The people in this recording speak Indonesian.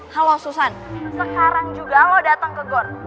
halo susan sekarang juga lo datang ke gor